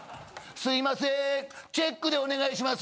すいませんチェックでお願いします。